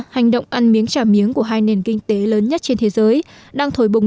hành động ăn miếng trả miếng của hai nền kinh tế lớn nhất trên thế giới đang thổi bùng